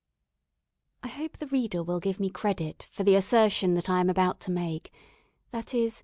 I hope the reader will give me credit for the assertion that I am about to make, viz.